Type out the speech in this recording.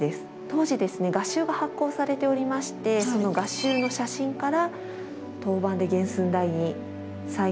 当時ですね画集が発行されておりましてその画集の写真から陶板で原寸大に再現しています。